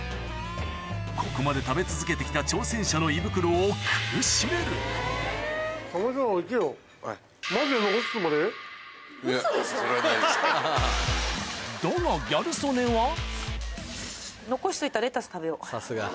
ここまで食べ続けてきた挑戦者の胃袋を苦しめるだがギャル曽根はさすが。